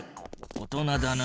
大人だな。